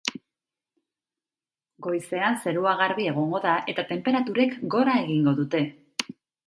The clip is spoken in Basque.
Goizean zerua garbi egongo da, eta tenperaturek gora egingo dute.